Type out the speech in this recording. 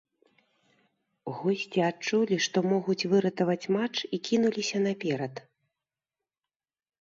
Госці адчулі, што могуць выратаваць матч і кінуліся наперад.